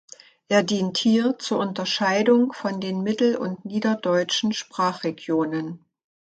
Er dient hier zur Unterscheidung von den mittel- und niederdeutschen Sprachregionen.